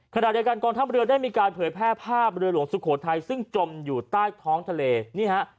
ขณะเดียวกันกองทัพเรือได้มีการเผยแพร่ภาพเรือหลวงสุโขทัยซึ่งจมอยู่ใต้ท้องทะเลนี่ฮะ